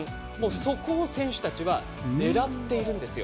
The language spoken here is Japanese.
そこを選手たちは狙っているんですよ。